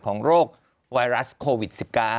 โรคไวรัสโควิด๑๙